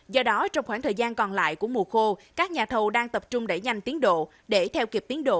do đó trong khoảng thời gian còn lại của mùa khô các nhà thầu đang tập trung đẩy nhanh tiến độ để theo kịp tiến độ